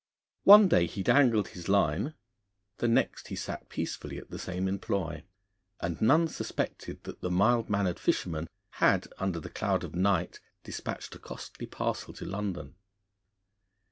One day he dangled his line, the next he sat peacefully at the same employ; and none suspected that the mild mannered fisherman had under the cloud of night despatched a costly parcel to London.